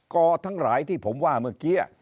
อทั้งหลายที่ผมว่าเมื่อกี้